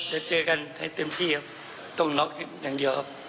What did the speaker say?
เจอกันให้เต็มที่ครับต้องน็อกอย่างเดียวครับ